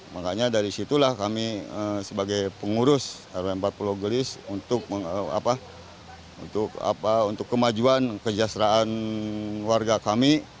makanya dari situlah kami sebagai pengurus rw empat pulau gelis untuk kemajuan kejahteraan warga kami